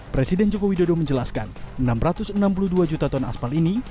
presiden joko widodo menjelaskan enam ratus enam puluh dua juta ton aspal ini